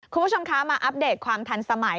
คุณผู้ชมคะมาอัปเดตความทันสมัย